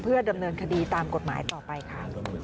ดำเนินคดีตามกฎหมายต่อไปค่ะ